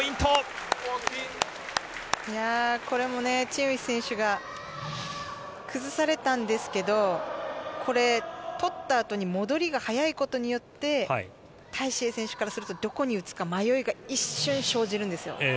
これもチン・ウヒ選手が崩されたんですけど、取った後に戻りが速いことによってタイ・シエイ選手からすると、どこに打つか迷いが一瞬生じるんですよ。